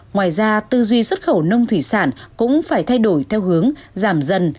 ngoài ra tư duy xuất khẩu nông thủy sản cũng phải thay đổi theo hướng giảm dần